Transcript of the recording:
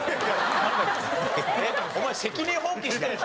お前責任放棄してるの？